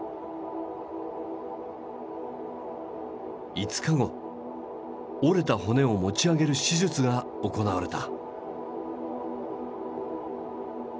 ５日後折れた骨を持ち上げる手術が行われた。